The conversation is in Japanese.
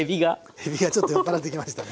えびがちょっと酔っ払ってきましたね。